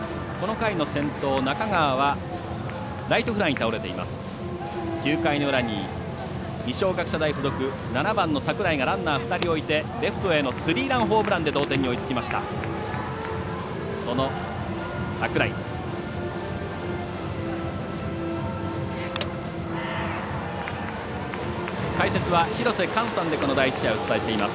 ９回の裏に二松学舎大付属７番の櫻井がランナー２人置いてレフトへスリーランホームランで同点に追いついています。